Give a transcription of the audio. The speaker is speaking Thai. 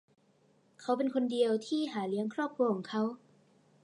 เขาเป็นคนเดียวที่หาเลี้ยงครอบครัวของเขา